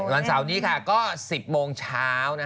วันเสาร์นี้ค่ะก็๑๐โมงเช้า